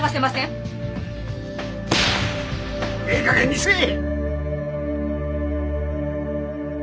ええかげんにせえ！